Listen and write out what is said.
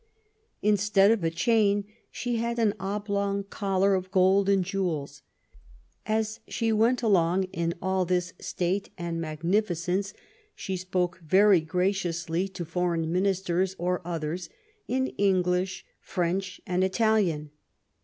Instead of a chain she had an oblong collar of gold and jewels. As she went along in all this state and magnificence she spoke very graciously to foreign ministers or others, in English, French and Italian.